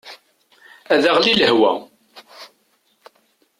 Ad aɣli lehwa.